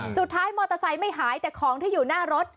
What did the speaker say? สุดท้ายมอเตอร์ไซค์ไม่หายแต่ของที่อยู่หน้ารถ